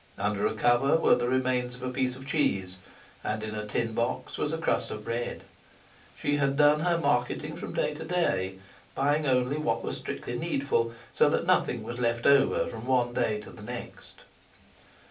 Under a cover were the remains of a piece of cheese, and in a tin box was a crust of bread. She had done her marketing from day to day, buying only what was strictly needful, so that nothing was left over from one day to the next.